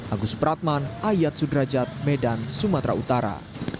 agus pratman ayat sudrajat medan sumatera utara